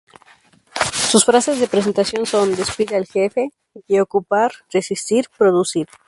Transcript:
Sus frases de presentación son "Despide al jefe" y "Ocupar, resistir, producir".